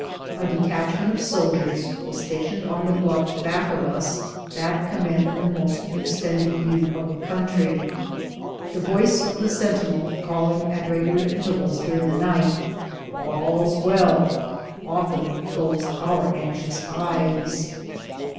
A detachment of soldiers was stationed on the bluff back of us, that commanded the most extended view of the country. The voice of the sentinel calling, at regular intervals during the night, "All's well," often closed our anxious eyes.